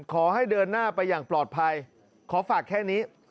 ขอให้เดินหน้าไปอย่างปลอดภัยขอฝากแค่นี้